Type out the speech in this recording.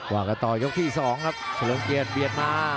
ว่ากันต่อยกที่๒ครับเฉลิมเกียรติเบียดมา